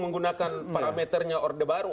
menggunakan parameternya orde baru